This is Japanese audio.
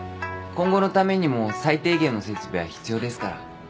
今後のためにも最低限の設備は必要ですから。